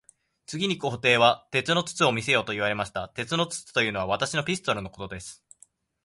次に皇帝は、鉄の筒を見せよと言われました。鉄の筒というのは、私のピストルのことです。